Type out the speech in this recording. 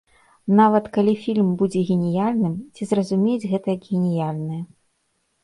Нават калі фільм будзе геніяльным, ці зразумеюць гэта як геніяльнае.